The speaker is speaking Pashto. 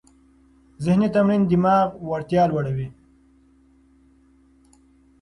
ذهني تمرین د دماغ وړتیا لوړوي.